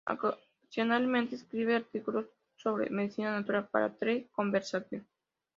Ocasionalmente escribe artículos sobre medicina natural para "The Conversation.